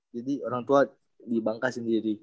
jadi orang tua di bangka sendiri